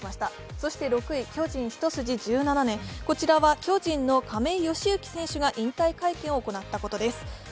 そして６位、巨人一筋１７年、こちらは巨人の亀井善行選手が引退会見を行ったことです。